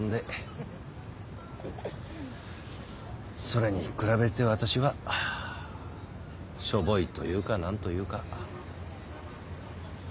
それに比べて私はしょぼいというか何というか。